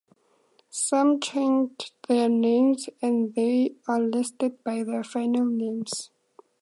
Some changed their names and they are listed by their final names.